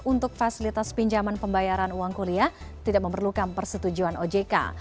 untuk fasilitas pinjaman pembayaran uang kuliah tidak memerlukan persetujuan ojk